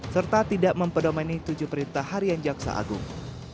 serta tidak mempedomeni tujuh perintah harian jaksa agung